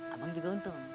abang juga untung